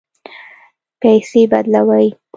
پیسې بدلوئ؟